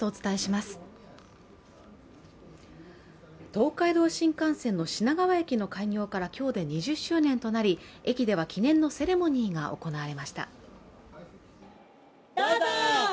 東海道新幹線の品川駅の開業から今日で２０周年となり駅では記念のセレモニーが行われました。